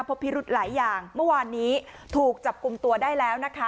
พิรุธหลายอย่างเมื่อวานนี้ถูกจับกลุ่มตัวได้แล้วนะคะ